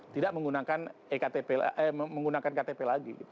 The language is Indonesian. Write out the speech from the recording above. tidak menggunakan ktp lagi